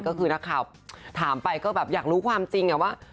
ก็คือนักข่าวถามไปก็แบบอยากรู้ความจริงว่า